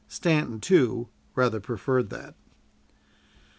Stanton, too, rather preferred that.